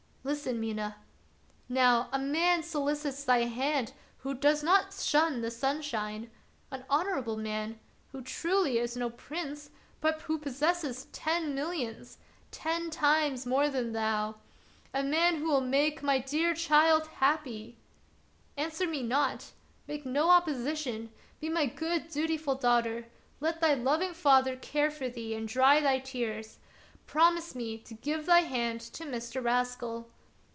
Listen, Mina. Now, a man solicits thy hand who does not shun the sunshine ; an honorable man, who, truly, is no prince, but who possesses ten millions — ten times more than thou ; a man who will make my dear child of Peter SchlemihL 75 happy. Answer me not, make no opposition, be my good, dutiful daughter ; let thy loving father care for thee and dry thy tears. Promise me to give thy hand to Mr. Rascal.